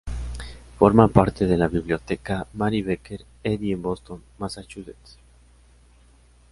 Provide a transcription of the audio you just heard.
Forma parte de la Biblioteca Mary Baker Eddy en Boston, Massachusetts.